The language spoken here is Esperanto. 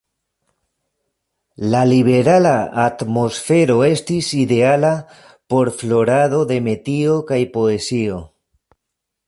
La liberala atmosfero estis ideala por florado de metio kaj poezio.